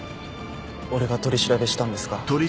俺が取り調べしたんですが。